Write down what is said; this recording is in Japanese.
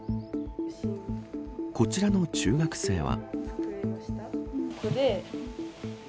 こちらの中学生は。